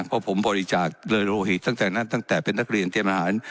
เพราะผมบริจาคเลยโลหิตตั้งแต่นั้นตั้งแต่เป็นนักเรียนเตรียมอาหาร